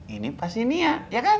ini pasti niat ya kan